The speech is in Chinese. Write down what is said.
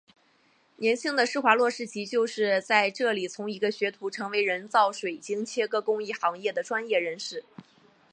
年轻的施华洛世奇就是在这里从一个学徒成为人造水晶切割工艺行业的专业人士。